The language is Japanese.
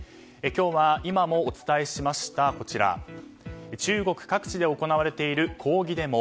今日は今もお伝えしました中国各地で行われている抗議デモ。